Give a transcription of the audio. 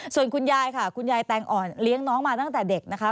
ส่วนคุณยายค่ะคุณยายแตงอ่อนเลี้ยงน้องมาตั้งแต่เด็กนะคะ